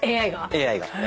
ＡＩが。